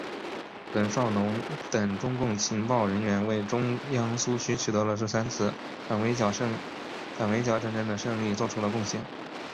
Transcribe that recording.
冷少农等中共情报人员为中央苏区取得这三次反围剿战争的胜利作出了贡献。